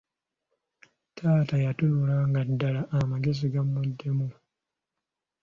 Taata yatunula nga ddala amagezi gamuweddemu.